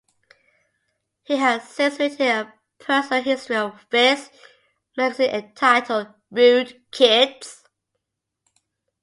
He has since written a personal history of Viz magazine entitled "Rude Kids".